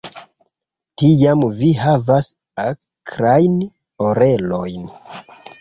Tiam vi havas akrajn orelojn.